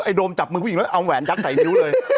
ไอ้โดมจับมึงแล้วก็เอาแหวนจักใส่มิ้วเลย